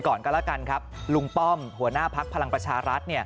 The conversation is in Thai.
ก่อนก็แล้วกันครับลุงป้อมหัวหน้าพักพลังประชารัฐ